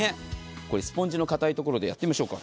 これ、スポンジの硬いところでやってみましょうか。